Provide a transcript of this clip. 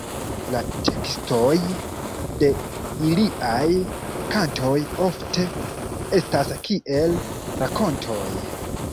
La tekstoj de iliaj kantoj ofte estas kiel rakontoj.